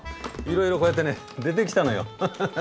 いろいろこうやってね出てきたのよ。